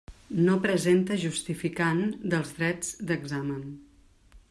No presenta justificant dels drets d'examen.